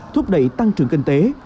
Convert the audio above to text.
thúc đẩy tăng trưởng kinh tế